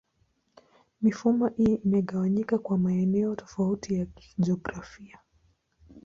Mifumo hii imegawanyika kwa maeneo tofauti ya kijiografia.